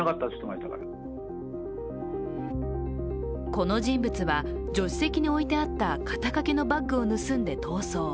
この人物は、助手席に置いてあった肩掛けのバッグを盗んで逃走。